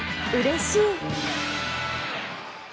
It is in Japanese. うれしい！